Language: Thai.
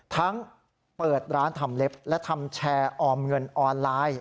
ทั้งเปิดร้านทำเล็บและทำแชร์ออมเงินออนไลน์